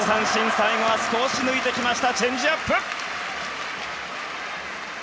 最後は少し抜いてきましたチェンジアップ！